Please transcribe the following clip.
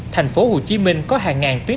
thành phố hồ chí minh có hàng ngàn tuyến